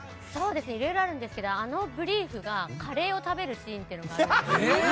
いろいろあるんですけどあのブリーフがカレーを食べるシーンっていうのがあるんです。